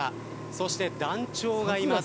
そして団長がいます。